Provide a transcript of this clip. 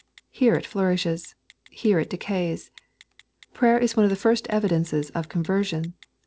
Here it flourishes. Here it decays. Prayer^is one of the first evidences of conversion.